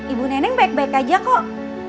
ibu neneng baik baik aja kok